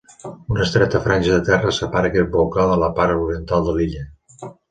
Una estreta franja de terra separa aquest volcà de la part oriental de l'illa.